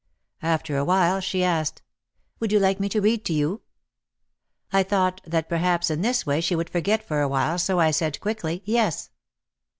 After a while she asked, "Would you like me to read to you?" I thought that perhaps in this way she would forget for a while, so I said quickly, "Yes."